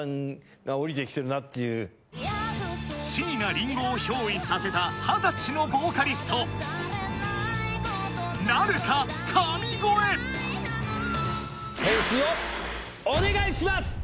椎名林檎を憑依させた二十歳のボーカリストなるか⁉神声点数をお願いします！